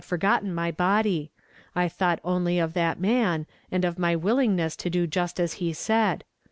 49 forgotten my body. I thought only of that man, and of my willingness to do just as he said.